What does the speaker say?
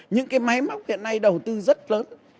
những cái máy móc hiện nay đầu tư rất lớn